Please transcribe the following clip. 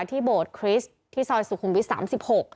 โบสถคริสต์ที่ซอยสุขุมวิท๓๖